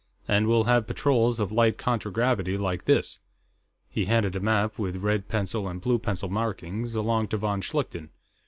And we'll have patrols of light contragravity like this." He handed a map, with red pencil and blue pencil markings, along to von Schlichten.